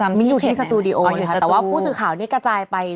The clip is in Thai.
ไม่อยู่ที่สตูดิโอแต่ว่าผู้สือนี้กระจายไป